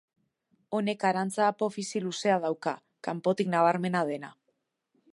Honek arantza apofisi luzea dauka, kanpotik nabarmena dena.